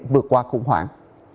vượt qua khủng hoảng